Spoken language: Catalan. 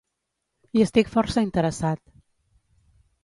Hi estic força interessat.